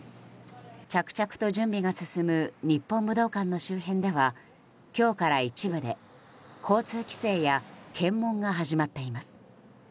着々と準備が進む日本武道館の周辺では今日から一部で交通規制や検問が始まっています。